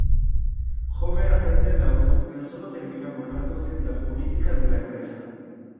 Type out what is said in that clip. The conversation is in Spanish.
Homer acepta el auto pero sólo termina burlándose de las políticas de la empresa.